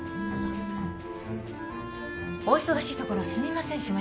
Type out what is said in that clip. お忙しいところすみません